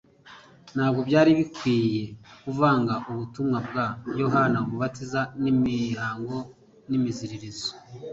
Ntabwo byari bikwinye kuvanga ubutunwa bwa Yohana Umubatiza n'imihango n'imiziririzo.